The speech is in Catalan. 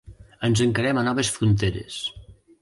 Ens encarem a noves fronteres.